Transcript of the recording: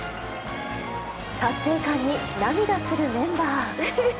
達成感に涙するメンバー。